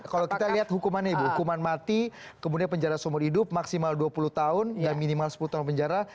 kalau kita lihat hukumannya ibu hukuman mati kemudian penjara seumur hidup maksimal dua puluh tahun dan minimal sepuluh tahun penjara